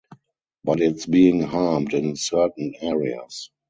But it’s being harmed in certain areas.